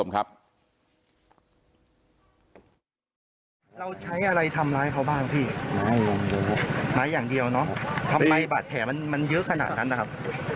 ครับท่านผู้ชมครับ